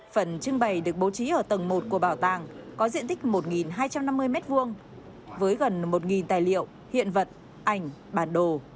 phần trưng bày được bố trí ở tầng một của bảo tàng có diện tích một hai trăm năm mươi m hai với gần một tài liệu hiện vật ảnh bản đồ